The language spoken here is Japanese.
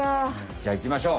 じゃいきましょう！